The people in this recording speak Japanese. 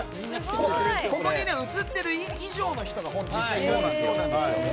ここに映っている以上の人が本当はいるんですよ。